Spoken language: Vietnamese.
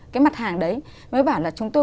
cái mặt hàng đấy mới bảo là chúng tôi